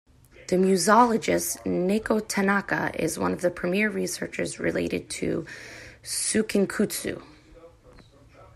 The musicologist Naoko Tanaka is one of the premier researchers related to "suikinkutsu".